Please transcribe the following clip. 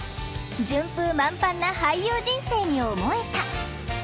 順風満帆な俳優人生に思えた。